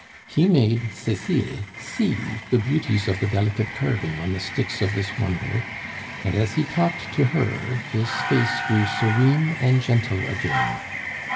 He made Cecile see the beauties of the delicate carving on the sticks of this wonder, and as he talked to her his face grew serene and gentle again.